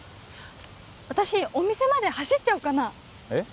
私お店まで走っちゃおうかなえっ？